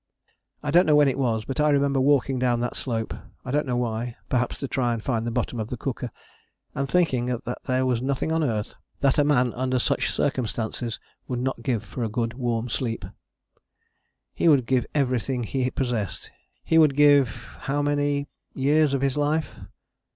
I don't know when it was, but I remember walking down that slope I don't know why, perhaps to try and find the bottom of the cooker and thinking that there was nothing on earth that a man under such circumstances would not give for a good warm sleep. He would give everything he possessed: he would give how many years of his life.